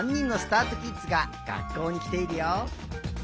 あとキッズががっこうにきているよ。